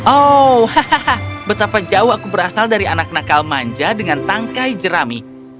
oh hahaha betapa jauh aku berasal dari anak nakal manja dengan tangkai jerami